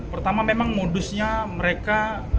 pertama memang modusnya mereka